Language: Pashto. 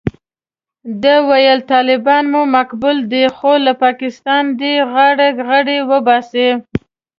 ده ویل طالبان مو قبول دي خو له پاکستانه دې غاړه غړۍ وباسي.